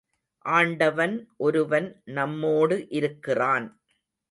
ஆண்டவன் ஒருவன் நம்மோடு இருக்கிறான்.